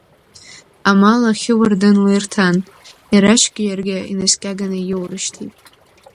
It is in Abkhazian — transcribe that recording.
Амал, ахьы уардынла ирҭан, ирашьгьы иаргьы инаскьаганы иоурышьҭит.